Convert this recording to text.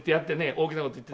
大きな事を言って」